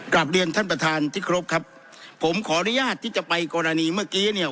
กลับเรียนท่านประธานที่ครบครับผมขออนุญาตที่จะไปกรณีเมื่อกี้เนี่ย